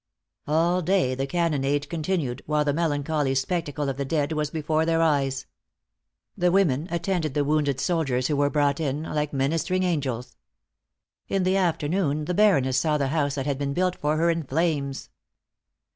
All day the cannonade continued, while the melancholy spectacle of the dead was before their eyes. The women attended the wounded soldiers who were brought in, like ministering angels. In the afternoon the Baroness saw the house that had been built for her in flames.